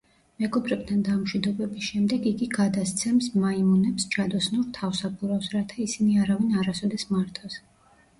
მეგობრებთან დამშვიდობების შემდეგ იგი გადასცემს მაიმუნებს ჯადოსნურ თავსაბურავს, რათა ისინი არავინ არასოდეს მართოს.